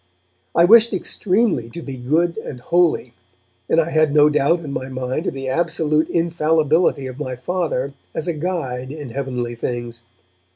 I wished extremely to be good and holy, and I had no doubt in my mind of the absolute infallibility of my Father as a guide in heavenly things.